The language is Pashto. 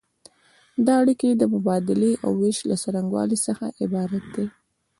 دا اړیکې د مبادلې او ویش له څرنګوالي څخه عبارت دي.